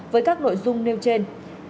với các nội dung nêu trên